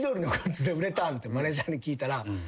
マネージャーに聞いたら。